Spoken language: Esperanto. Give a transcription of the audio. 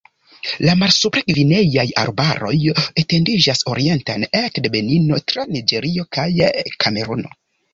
La malsupra-gvineaj arbaroj etendiĝas orienten ekde Benino tra Niĝerio kaj Kameruno.